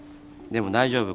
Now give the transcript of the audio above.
でも大丈夫。